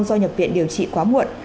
do nhập viện điều trị quá muộn